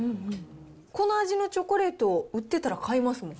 この味のチョコレート、売ってたら買いますね。